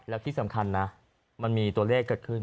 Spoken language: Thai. แล้วที่สำคัญนะมันมีตัวเลขเกิดขึ้น